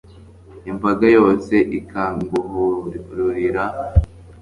imbaga yose ikaguhururira,